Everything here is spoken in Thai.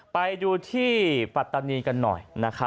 ไปดูที่ปัตตานีกันหน่อย